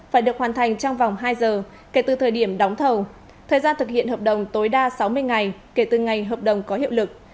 phải được hoàn thành trong vòng hai giờ kể từ thời điểm đóng thầu thời gian thực hiện hợp đồng tối đa sáu mươi ngày kể từ ngày hợp đồng có hiệu lực